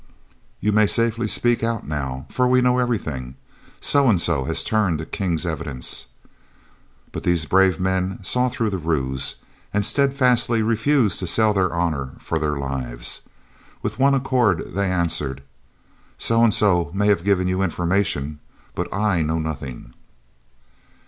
"You may safely speak out now, for we know everything. So and so has turned King's evidence." But these brave men saw through the ruse, and steadfastly refused to sell their honour for their lives. With one accord they answered, "So and so may have given you information, but I know nothing."